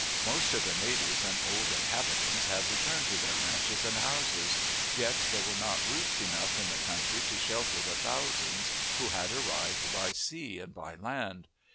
Most of the natives and old inhabitants had returned to their ranches and houses; yet there were not roofs enough in the country to shelter the thousands who had arrived by sea and by land.